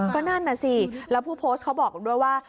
ก็นั่นน่ะสิแล้วผู้โพสต์เขาบอกด้วยว่า